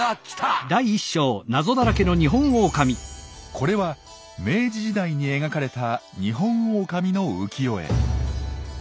これは明治時代に描かれたニホンオオカミの浮世絵。